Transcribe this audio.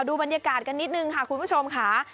ดูบรรยากาศกันนิดนึงค่ะคุณผู้ชมค่ะ